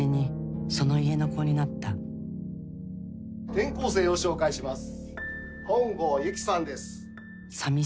転校生を紹介します